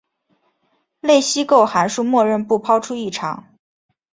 类析构函数默认不抛出异常。